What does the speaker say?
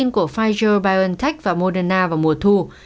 trong bối cảnh này các nguồn tin của pfizer biontech và moderna vào mùa thu